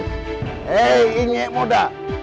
hei ingik muda